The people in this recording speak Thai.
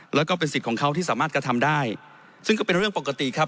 แล้วก็เป็นสิทธิ์ของเขาที่สามารถกระทำได้ซึ่งก็เป็นเรื่องปกติครับ